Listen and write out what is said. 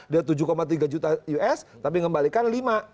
dia tujuh tiga juta us tapi mengembalikan lima